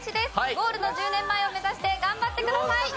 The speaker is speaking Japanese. ゴールの１０年前を目指して頑張ってください！